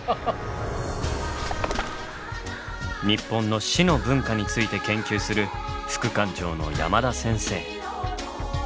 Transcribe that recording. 日本の「死」の文化について研究する副館長の山田先生。